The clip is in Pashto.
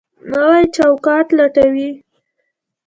نوی چوکاټ لټوي.